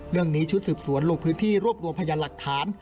เรื่องนี้ชุดสืบสวนลงพื้นที่รวบรวมพยานหลักฐาน